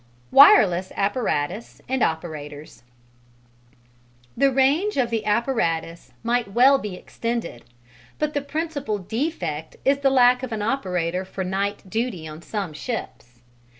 Wireless apparatus and operators The range of the apparatus might well be extended, but the principal defect is the lack of an operator for night duty on some ships.